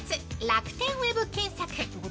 楽天ウェブ検索！